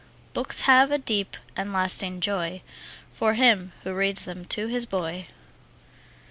Books have a deep and lasting joy For him who reads them to his boy.